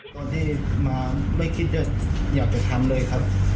ตอนที่มาไม่คิดจะอยากจะทำเลยครับ